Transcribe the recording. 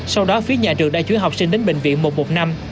sau đó phía nhà trường đã chuyển học sinh đến bệnh viện một một năm